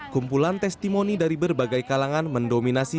kumpulan testimoni dari berbagai kalangan mendominasi